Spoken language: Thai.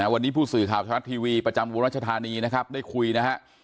วันนี้ผู้สื่อข่าวทรัฐทีวีประจำอุรัชธานีนะครับได้คุยนะฮะ